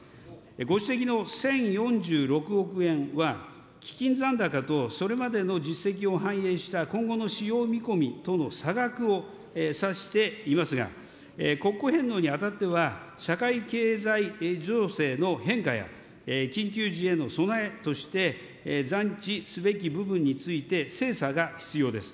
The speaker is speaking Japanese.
ご指摘の１０４６億円は、基金残高とそれまでの実績を反映した今後の使用見込みとの差額を指していますが、国庫返納にあたっては、社会経済情勢の変化や、緊急時への備えとして、残置すべき部分について精査が必要です。